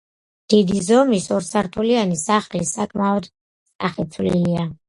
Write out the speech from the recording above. დიდი ზომის, ორსართულიანი სახლი საკმაოდ სახეცვლილია.